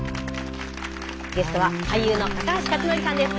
ゲストは俳優の高橋克典さんです。